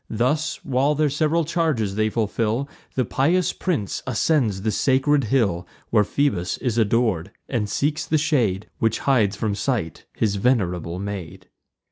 Thus, while their sev'ral charges they fulfil, The pious prince ascends the sacred hill Where Phoebus is ador'd; and seeks the shade Which hides from sight his venerable maid.